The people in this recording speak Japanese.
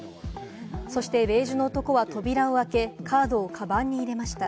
そしてベージュの男は扉を開け、カードをカバンに入れました。